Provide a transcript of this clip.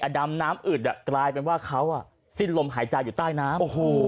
ดำน้ำอึดกลายเป็นว่าเขาสิ้นลมหายใจอยู่ใต้น้ำ